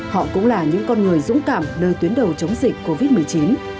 họ cũng là những con người dũng cảm nơi tuyến đầu chống dịch covid một mươi chín